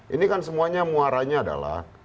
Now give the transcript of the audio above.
ini kan semuanya muaranya adalah